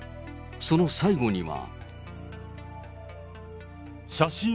その最後には。